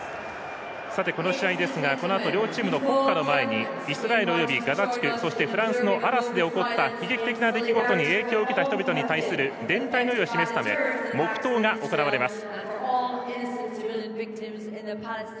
この試合ですがこのあと両チームの国家の前にイスラエルおよびガザ地区そしてフランスのアラスで起こった悲劇的な出来事に影響を受けた人に対する意を示すため黙とうが行われます。